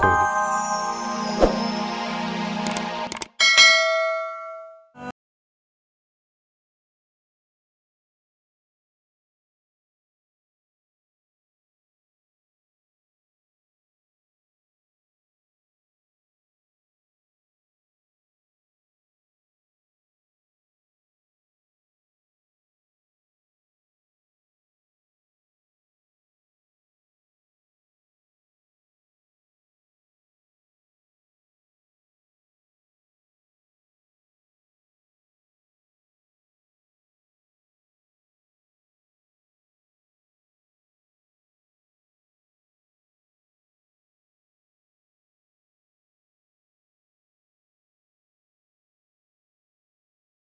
untuk itu aku minta maaf